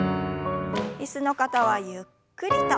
椅子の方はゆっくりと。